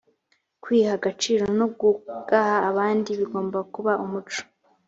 kwiha agaciro no kugaha abandi bigomba kuba umuco